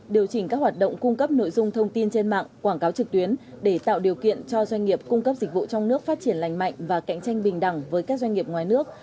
điều chỉnh các hoạt động cung cấp nội dung thông tin trên mạng quảng cáo trực tuyến để tạo điều kiện cho doanh nghiệp cung cấp dịch vụ trong nước phát triển lành mạnh và cạnh tranh bình đẳng với các doanh nghiệp ngoài nước